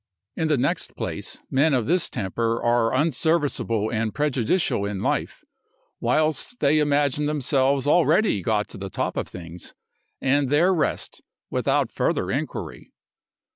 In the next place, men of this temper are unserviceable and prejudicial in life, whilst they imagine themselves already got to the top of things, and there rest, without further inquiry.